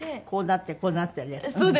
こうなってこうなってるやつ？